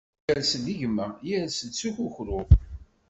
Yers-d gma, yers-d s ukukru.